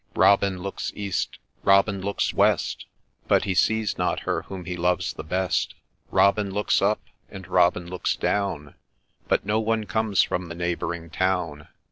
Robin looks east, Robin looks west, But he sees not her whom he loves the best ; Robin looks up, and Robin looks down, But no one comes from the neighbouring town.